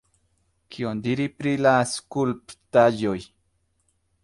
Kion diri pri la skulptaĵoj?